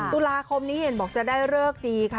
ตุลาคมนี้เห็นบอกจะได้เลิกดีค่ะ